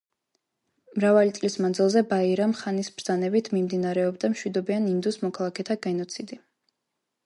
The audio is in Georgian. მრავალი წლის მანძილზე ბაირამ ხანის ბრძანებით მიმდინარეობდა მშვიდობიან ინდუს მოქალაქეთა გენოციდი.